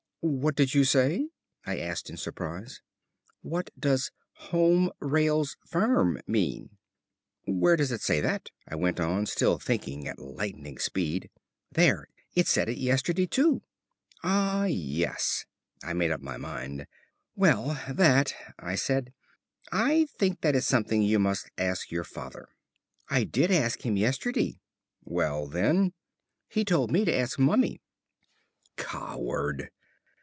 "What did you say?" I asked in surprise. "What does 'Home Rails Firm' mean?" "Where does it say that?" I went on, still thinking at lightning speed. "There. It said it yesterday too." "Ah, yes." I made up my mind. "Well, that," I said "I think that is something you must ask your father." "I did ask him yesterday." "Well, then " "He told me to ask Mummy." Coward!